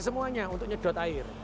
membantu untuk mempercayai